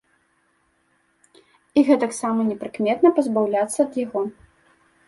І гэтаксама непрыкметна пазбаўляцца ад яго.